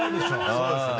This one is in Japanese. そうですね。